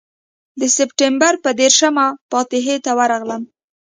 د سپټمبر پر دېرشمه فاتحې ته ورغلم.